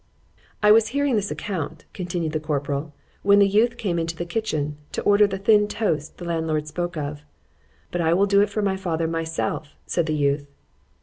I was hearing this account, continued the corporal, when the youth came into the kitchen, to order the thin toast the landlord spoke of;——but I will do it for my father myself, said the youth.